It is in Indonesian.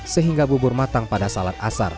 sehingga bubur matang pada salad asar